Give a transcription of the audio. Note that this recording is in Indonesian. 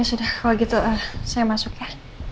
sudah kalau gitu saya masuk ya